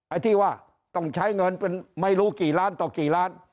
ไอ้ที่ว่าต้องใช้เงินเป็นไม่รู้กี่ล้านต่อกี่ล้าน